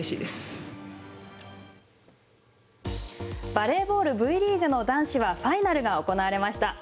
バレーボールＶリーグの男子はファイナルが行われました。